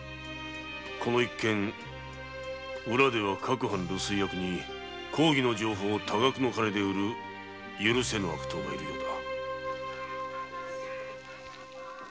この一件裏では各藩留守居役に公儀の情報を多額の金で売る許せぬ悪党がいるようだ。